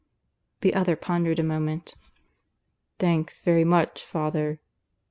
The other pondered a moment. "Thanks very much, father. ...